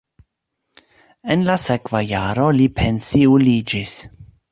En la sekva jaro li pensiuliĝis.